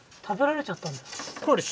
食べられちゃったんですか？